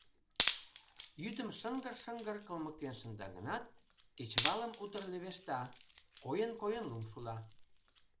Йӱдым шыҥгыр-шыҥгыр кылмыктен шында гынат, кечывалым утыр левешта, койын-койын лум шула.